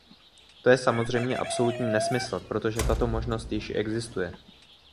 To je samozřejmě absolutní nesmysl, protože tato možnost již existuje.